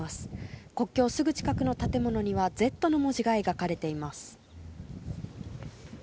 国境すぐ近くの建物には「Ｚ」の文字が描かれています。